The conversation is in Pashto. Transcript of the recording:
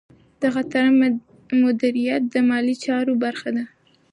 د خطر مدیریت د مالي چارو برخه ده.